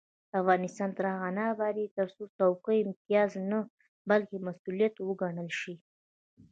افغانستان تر هغو نه ابادیږي، ترڅو څوکۍ امتیاز نه بلکې مسؤلیت وګڼل شي.